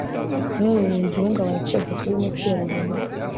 kimwe mu bintu biduhungabanya twese kuri ino si ya rurema